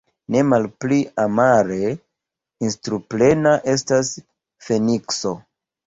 Nemalpli amare instruplena estas Fenikso.